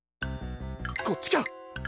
こっちか！